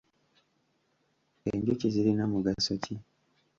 Enjuki zirina mugaso ki?